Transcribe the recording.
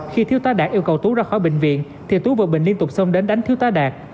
khi thiếu tá đạt yêu cầu tú ra khỏi bệnh viện thì tú và bình liên tục xông đến đánh thiếu tá đạt